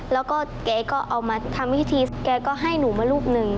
แล้วก็แกก็เอามาทำพิธีแกก็ให้หนูมารูปหนึ่ง